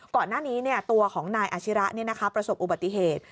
ก่อนหน้านี้เนี่ยตัวของนายอาชิระเนี่ยนะคะประสบอุบัติเหตุ